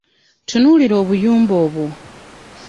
Tunuulira obuyumba obwo?